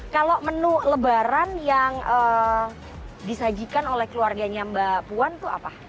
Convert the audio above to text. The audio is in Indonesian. kalau menu lebaran yang disajikan oleh keluarganya mbak puan itu apa